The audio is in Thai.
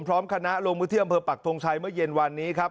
พร้อมคณะลงพื้นที่อำเภอปักทงชัยเมื่อเย็นวันนี้ครับ